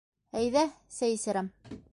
Әйҙә, сәй эсерәм...